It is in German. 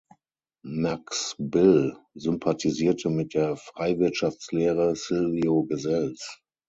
Max Bill sympathisierte mit der Freiwirtschaftslehre Silvio Gesells.